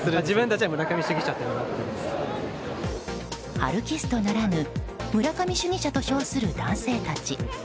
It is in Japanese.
ハルキストならぬ村上主義者と称する男性たち。